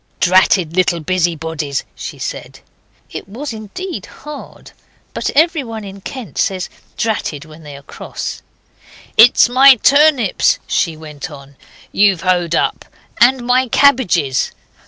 'Dratted little busybodies,' she said. It was indeed hard, but everyone in Kent says 'dratted' when they are cross. 'It's my turnips,' she went on, 'you've hoed up, and my cabbages.